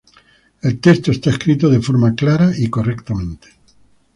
El texto está escrito de forma clara y correctamente.